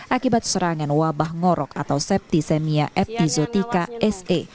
akibat serangan wabah ngorok atau septisemia eptizotika se